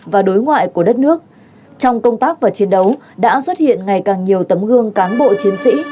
và đối ngoại của đất nước trong công tác và chiến đấu đã xuất hiện ngày càng nhiều tấm gương cán bộ chiến sĩ